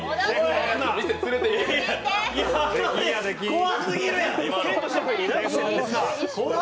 怖すぎるやん！